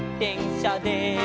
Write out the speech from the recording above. しゃで」